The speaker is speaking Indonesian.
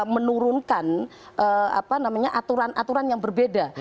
menurunkan aturan aturan yang berbeda